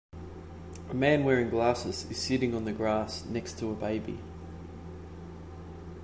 A man wearing glasses is sitting on the grass next to a baby.